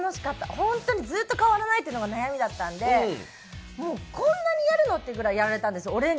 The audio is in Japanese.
本当にずっと変わらないというのが悩みだったんでこんなにやるの？っていうくらいやられたんです。